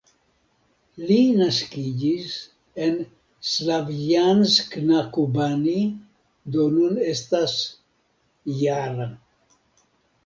Li naskiĝis en Slavjansk-na-Kubani, do nun estas -jara.